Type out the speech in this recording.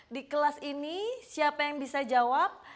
di kelas ini siapa yang bisa jawab